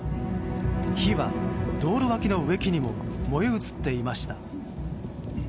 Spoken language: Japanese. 火は、道路脇の植木にも燃え移っていました。